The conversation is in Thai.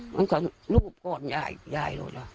โอ้วรูปค้อยย่ายอย่า